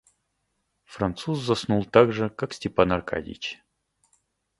Француз заснул так же, как Степан Аркадьич.